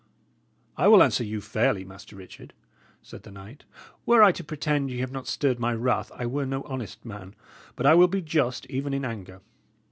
"I will answer you fairly, Master Richard," said the knight. "Were I to pretend ye have not stirred my wrath, I were no honest man. But I will be just even in anger.